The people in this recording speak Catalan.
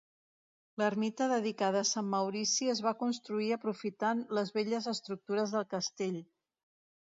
L'ermita dedicada a Sant Maurici es va construir aprofitant les velles estructures del castell.